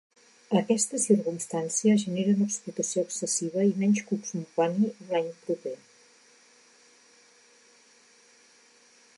Aquesta circumstància genera una explotació excessiva i menys cucs mopani l"any proper.